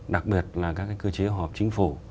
đặc biệt là các cơ chế hợp chính phủ